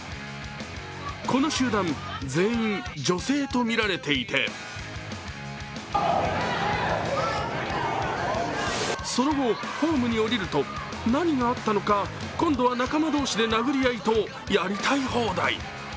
この集団、全員女性とみられていてその後、ホームに降りると何があったのか、今度は仲間同士で殴り合いとやりたい放題。